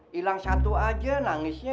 hilang satu aja nangisnya